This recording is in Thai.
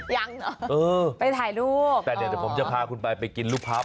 ยังเหรอเออไปถ่ายรูปแต่เดี๋ยวผมจะพาคุณไปไปกินลูกพับ